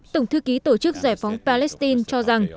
tổng thư ký tổ chức giải phóng palestine cho rằng